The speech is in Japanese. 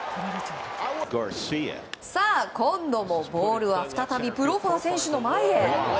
今度もボールは再びプロファー選手の前へ。